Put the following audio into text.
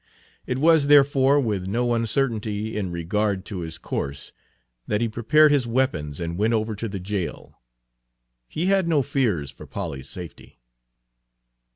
It was, therefore, with no uncertainty in regard to his course that he prepared his weapons and went over to the jail. He had no fears for Polly's safety.